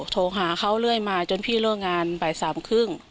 โทรหาเขาเรื่อยมาจนพี่เลิกงานบ่ายสามครึ่ง